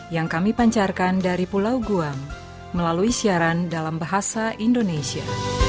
yang kami pancarkan dari pulau guam melalui siaran dalam bahasa indonesia